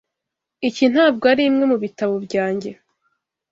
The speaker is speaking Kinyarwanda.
Iki ntabwo arimwe mubitabo byanjye.